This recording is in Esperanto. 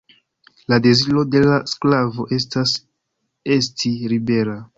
La deziro de la sklavo estas esti libera.